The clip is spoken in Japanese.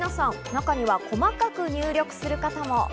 中には細かく入力する方も。